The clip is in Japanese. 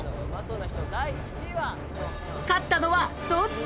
勝ったのはどっち？